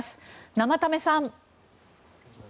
生田目さん。